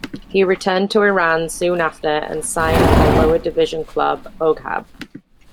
He returned to Iran soon after and signed for lower division club, Oghab.